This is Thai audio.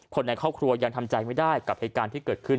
คนในครอบครัวยังทำใจไม่ได้กับเหตุการณ์ที่เกิดขึ้น